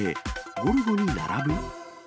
ゴルゴに並ぶ？